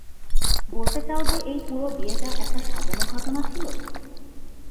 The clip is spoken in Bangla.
বলতে চাও যে এই পুরো বিয়েটা একটা সাজানো ঘটনা ছিল?